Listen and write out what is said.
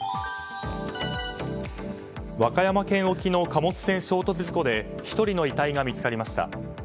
和歌山県沖の貨物船衝突事故で１人の遺体が見つかりました。